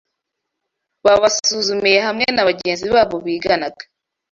babasuzumiye hamwe na bagenzi babo biganaga